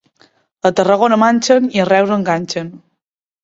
A Tarragona manxen i a Reus enganxen.